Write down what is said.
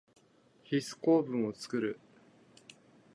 ヒス構文をつくる。